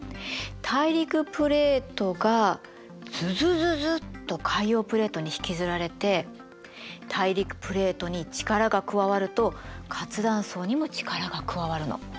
大陸プレートがズズズズッと海洋プレートに引きずられて大陸プレートに力が加わると活断層にも力が加わるの。